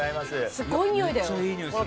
すごい匂いだよ。